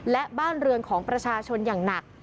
และบ้านเรือนของประชาชนอย่างหนัก